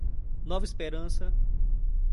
Nova Esperança